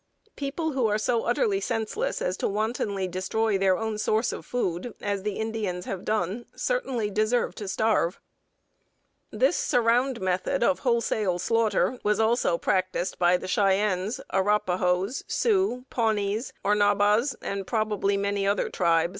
People who are so utterly senseless as to wantonly destroy their own source of food, as the Indians have done, certainly deserve to starve. This "surround" method of wholesale slaughter was also practiced by the Cheyennes, Arapahoes, Sioux, Pawnees, Ornabas, and probably many other tribes.